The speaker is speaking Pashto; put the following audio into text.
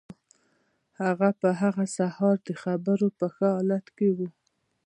هغه په هغه سهار د خبرو په ښه حالت کې و